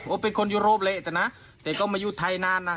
อุ๊ยเป็นคนยุโรปเลยนะแต่ก็ไม่อยู่ไทยนานนะ